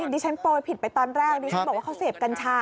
ดิฉันโปรยผิดไปตอนแรกดิฉันบอกว่าเขาเสพกัญชา